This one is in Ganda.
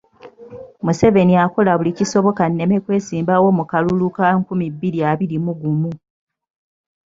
Museveni akola buli kisoboka nneme kwesimbawo mu kalulu ka nkumi bbiri abiri mu gumu.